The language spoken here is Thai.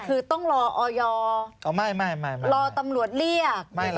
คือต้องรออยรอตำรวจเรียก